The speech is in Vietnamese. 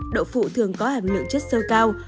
đậu phụ thường có hàm lượng chất sơ cao